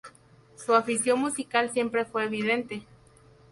Su afición musical siempre fue evidente.